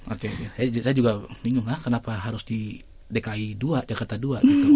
oke saya juga bingung ya kenapa harus di dki dua jakarta dua gitu